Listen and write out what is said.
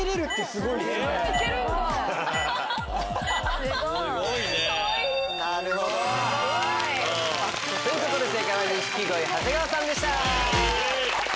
すごい！かわいい！ということで。